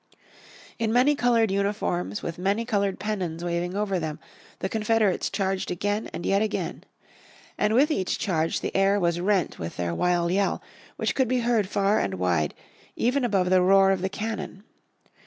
In many coloured uniforms, with many coloured pennons waving over them, the Confederates charged again and yet again. And with each charge the air was rent with their wild yell, which could be heard far and wide, even above the roar of the cannon.